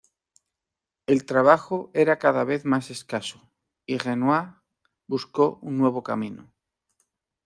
El trabajo era cada vez más escaso, y Renoir buscó un nuevo camino.